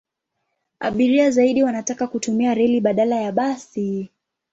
Abiria zaidi wanataka kutumia reli badala ya basi.